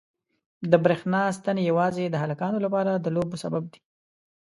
د برېښنا ستنې یوازې د هلکانو لپاره د لوبو سبب دي.